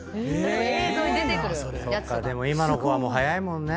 でも今の子は早いもんね。